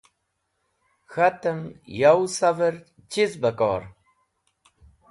k̃hatem yow saver chiz bẽkor?